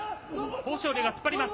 豊昇龍が突っ張ります。